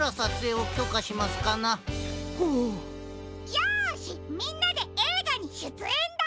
よしみんなでえいがにしゅつえんだ！